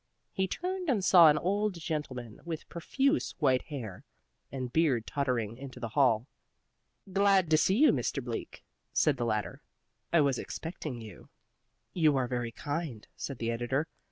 He turned and saw an old gentleman with profuse white hair and beard tottering into the hall. "Glad to see you, Mr. Bleak," said the latter. "I was expecting you." "You are very kind," said the editor.